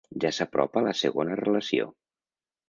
Ja s’apropa la segona relació.